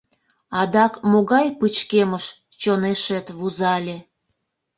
Адак могай пычкемыш чонешет вузале?